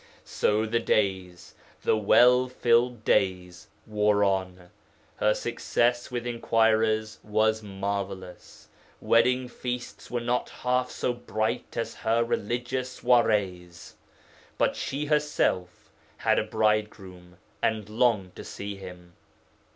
So the days the well filled days wore on. Her success with inquirers was marvellous; wedding feasts were not half so bright as her religious soirées. But she herself had a bridegroom, and longed to see him.